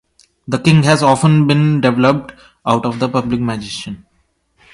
The king has often been developed out of the public magician.